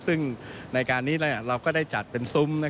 ซึ่งในการนี้เราก็ได้จัดเป็นซุ้ม